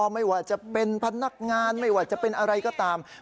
ไม่ว่าจะเป็นพนักงานไม่ว่าจะเป็นอะไรก็ตาม